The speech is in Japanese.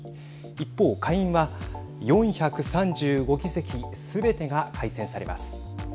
一方、下院は４３５議席すべてが改選されます。